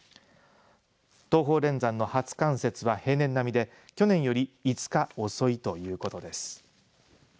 東方連山の初冠雪は平年並みで去年より５日遅いということです。